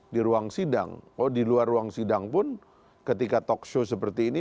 di ruang sidang oh di luar ruang sidang pun ketika talk show seperti ini